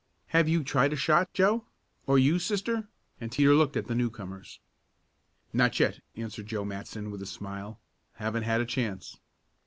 Have you tried a shot, Joe? Or you, Sister," and Teeter looked at the newcomers. "Not yet," answered Joe Matson with a smile. "Haven't had a chance."